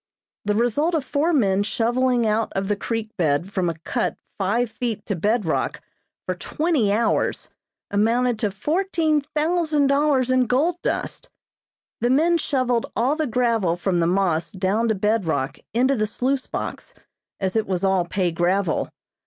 The result of four men shovelling out of the creek bed from a cut five feet to bedrock for twenty hours amounted to fourteen thousand dollars in gold dust. The men shovelled all the gravel from the moss down to bedrock into the sluice box as it was all pay gravel.